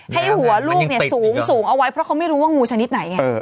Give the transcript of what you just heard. ให้หัวลูกสูงเอาไว้เพราะเขาไม่รู้ว่างูชนิดไหนไง